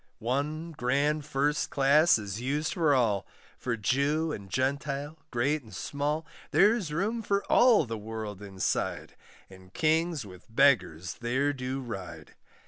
One grand first class is used for all, For Jew and Gentile, great and small; There's room for all the world inside, And kings with beggars there do ride.